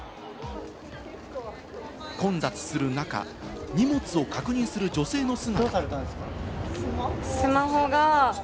混雑する中、荷物を確認する女性の姿。